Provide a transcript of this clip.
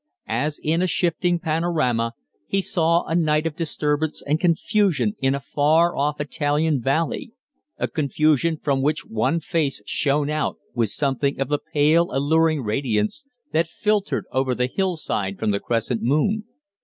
As in a shifting panorama he saw a night of disturbance and confusion in a far off Italian valley a confusion from which one face shone out with something of the pale, alluring radiance that filtered over the hillside from the crescent moon.